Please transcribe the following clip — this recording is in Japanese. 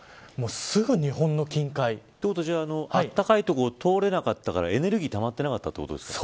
すぐ日本の近海。ということはあったかい所を通れなかったからエネルギーたまってなかったということですか。